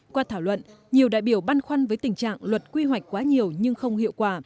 qua thảo luận nhiều đại biểu băn khoăn với tình trạng luật quy hoạch quá nhiều nhưng không hiệu quả